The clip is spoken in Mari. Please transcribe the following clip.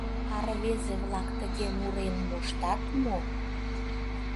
А рвезе-влак тыге мурен моштат мо?